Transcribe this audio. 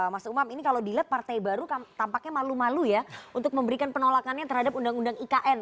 mas umam ini kalau dilihat partai baru tampaknya malu malu ya untuk memberikan penolakannya terhadap undang undang ikn